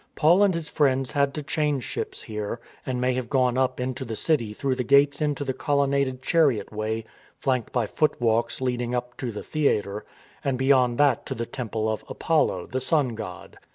Paul and his friends had to change ships here, and may have gone up into the city through the gates into the colonnaded chariot way flanked by foot walks leading up to the theatre, and beyond that to the Temple of Apollo, the sun god.